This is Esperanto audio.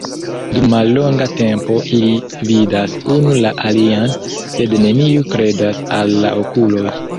Dum mallonga tempo ili vidas unu la alian, sed neniu kredas al la okuloj.